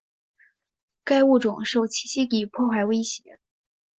该物种受栖息地破坏威胁。